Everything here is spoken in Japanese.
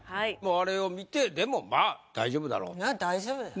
あれを見てでもまあ大丈夫だろうと。